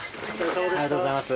ありがとうございます。